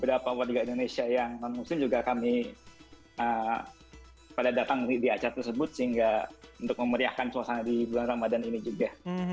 beberapa warga indonesia yang non muslim juga kami pada datang di acara tersebut sehingga untuk memeriahkan suasana di bulan ramadan ini juga